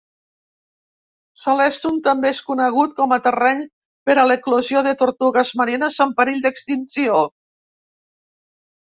Celestun també és conegut com a terreny per a l'eclosió de tortugues marines en perill d'extinció.